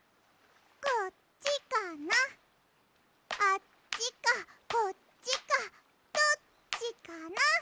あっちかこっちかどっちかな？